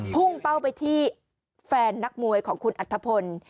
พุ่งเป้าไปที่แฟนนักมวยของคุณอัธพล